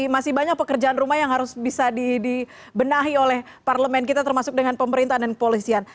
masih banyak pekerjaan rumah yang harus bisa dibenahi oleh parlement kita termasuk dengan pemerintahan dan kepolisian